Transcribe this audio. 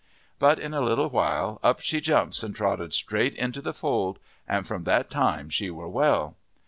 But in a little while up she jumps and trotted straight into the fold, and from that time she were well.